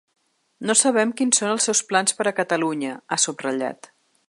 No sabem quins són els seus plans per a Catalunya, ha subratllat.